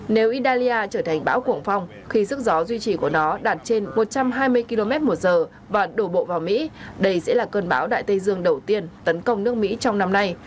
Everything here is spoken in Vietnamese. nếu italia trở thành bão cuồng phong khi sức gió duy trì của nó đạt trên một trăm hai mươi km một giờ và đổ bộ vào mỹ đây sẽ là cơn bão đại tây dương đầu tiên tấn công nước mỹ trong năm nay